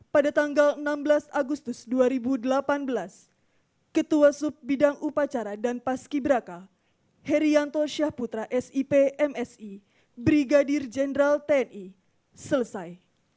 pada tanggal enam belas agustus dua ribu delapan belas ketua sub bidang upacara dan paski braka herianto syahputra sip msi brigadir jenderal tni selesai